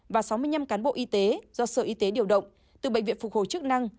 và sáu mươi năm cán bộ y tế do sở y tế điều động từ bệnh viện phục hồi chức năng